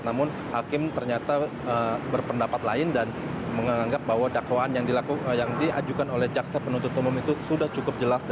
namun hakim ternyata berpendapat lain dan menganggap bahwa dakwaan yang diajukan oleh jaksa penuntut umum itu sudah cukup jelas